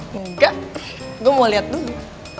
enggak gue mau lihat dulu